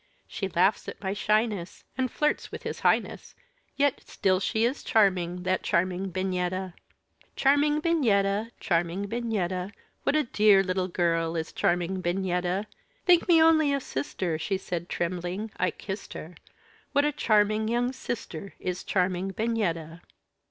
She laughs at my shyness, And flirts with his highness; Yet still she is charming that charming Bignetta! Charming Bignetta! charming Bignetta! What a dear little girl is charming Bignetta! "Think me only a sister," Said she trembling; I kissed her. What a charming young sister is charming Bignetta!